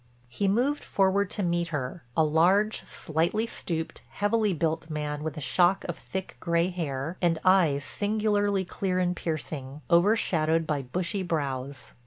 He moved forward to meet her—a large, slightly stooped, heavily built man with a shock of thick gray hair, and eyes, singularly clear and piercing, overshadowed by bushy brows.